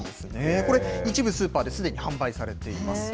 これ、一部スーパーですでに販売されています。